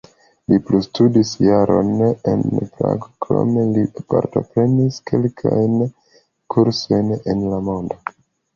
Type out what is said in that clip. Li plustudis jaron en Prago, krome li partoprenis kelkajn kursojn en la mondo.